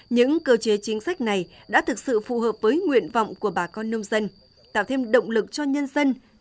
những cơ chế chính sách này đã thực sự phù hợp với nguyện vọng của bà con nông dân